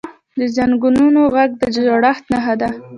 د زنګونونو ږغ د زړښت نښه ده.